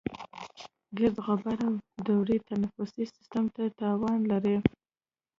ګرد، غبار او دوړې تنفسي سیستم ته تاوان لري.